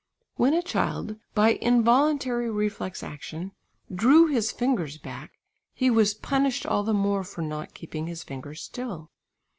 When a child by involuntary reflex action, drew his fingers back, he was punished all the more for not keeping his fingers still.